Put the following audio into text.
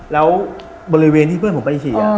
แล้วบริเวณที่เพื่อนผมไปเฉี่